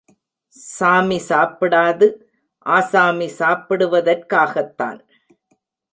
சாமி சாப்பிடாது ஆசாமி சாப்பிடுவதற்காகத்தான்.